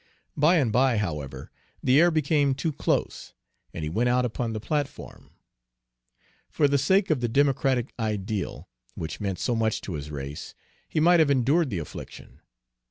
By and by, however, the air became too close, and he went out upon the platform. For the sake of the democratic ideal, which meant so much to his race, he might have endured the affliction.